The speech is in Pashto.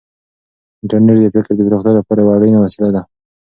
انټرنیټ د فکر د پراختیا لپاره یوه اړینه وسیله ده.